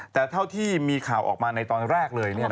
แต่เท่าที่มีข่าวออกมาในตอนแรกเลย